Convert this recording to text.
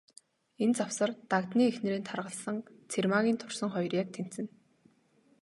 Энэ завсар, Дагданы эхнэрийн таргалсан, Цэрмаагийн турсан хоёр яг тэнцэнэ.